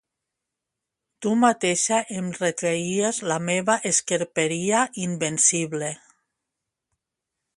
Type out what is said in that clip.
Tu mateixa em retreies la meva esquerperia invencible.